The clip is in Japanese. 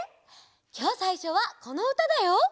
きょうさいしょはこのうただよ。